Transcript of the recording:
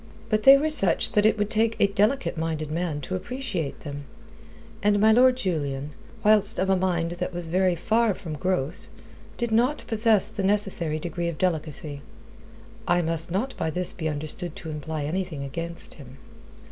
But they were such that it would take a delicate minded man to appreciate them; and my Lord Julian, whilst of a mind that was very far from gross, did not possess the necessary degree of delicacy. I must not by this be understood to imply anything against him.